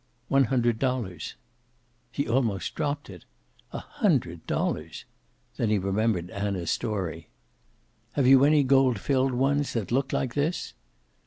"One hundred dollars." He almost dropped it. A hundred dollars! Then he remembered Anna's story. "Have you any gold filled ones that look like this?"